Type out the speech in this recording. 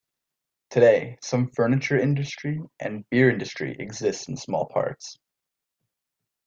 Today some furniture industry and beer industry exists in small parts.